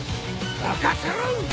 任せろ！